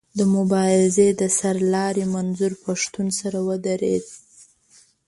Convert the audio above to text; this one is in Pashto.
د مبارزې د سر لاري منظور پښتون سره ودرېد.